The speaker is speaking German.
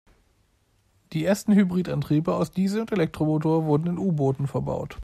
Die ersten Hybridantriebe aus Diesel- und Elektromotor wurden in U-Booten verbaut.